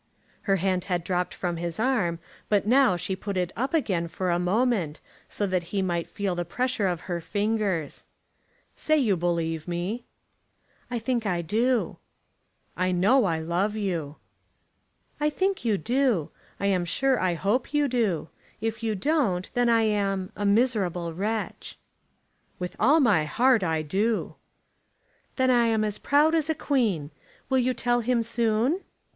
Her hand had dropped from his arm, but now she put it up again for a moment, so that he might feel the pressure of her fingers. "Say that you believe me." "I think I do." "You know I love you." "I think you do. I am sure I hope you do. If you don't, then I am a miserable wretch." "With all my heart I do." "Then I am as proud as a queen. You will tell him soon?"